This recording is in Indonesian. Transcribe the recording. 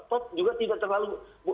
top juga tidak terlalu